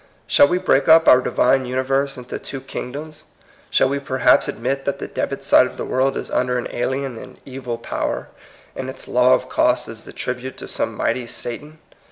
Shall we break up our Diyine uniyerse into two kingdoms ? Shall we perhaps ad mit that the debit side of the world is under an alien and eyil power, and its law of cost is the tribute to some mighty Satan?